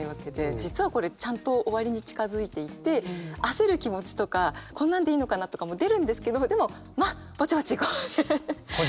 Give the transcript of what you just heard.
実はこれちゃんと終わりに近づいていて焦る気持ちとかこんなんでいいのかなとかも出るんですけどでも「まあぼちぼち行こう」で。